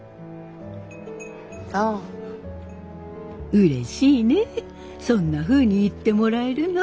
うれしいねそんなふうに言ってもらえるの。